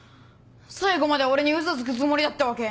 最後まで俺にウソつくつもりだったわけ？